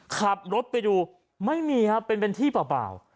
ขับรถไปดูไม่มีครับเป็นที่เปล่า